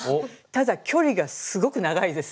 ただ距離がすごく長いです。